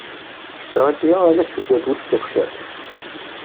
Ittɣenni ala seg agus d takessert.